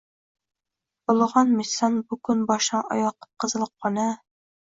Bulgʻonmishsan bukun boshdan oyoq qip-qizil qona